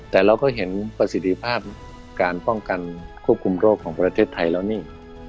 แต่เราก็เห็นประสิทธิภาพการป้องกันควบคุมโรคของประเทศไทยแล้วนี่